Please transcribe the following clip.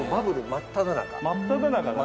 真っただ中だね。